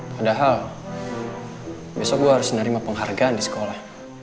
padahal besok gue harus nerima penghargaan di sekolah